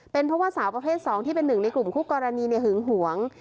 เป็นเพราะว่าสาวประเภท๒ที่เป็นหนึ่งในกลุ่มคู่กรณีหึงหวง